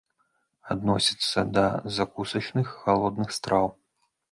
Адносіцца да закусачных халодных страў.